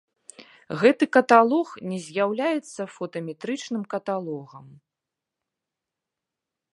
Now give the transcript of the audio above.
Гэты каталог не з'яўляецца фотаметрычным каталогам.